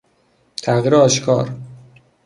تغییر آشکار